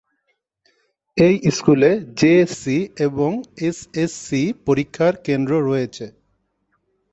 এই স্কুলে জেএসসি এবং এসএসসি পরীক্ষার কেন্দ্র রয়েছে।